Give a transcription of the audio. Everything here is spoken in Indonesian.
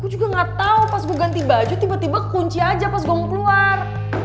gue juga gatau pas gue ganti baju tiba dua kekunci aja pas gue mau keluar